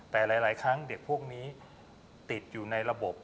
แต่หลายครั้งเด็กพวกนี้ติดอยู่ในระบบ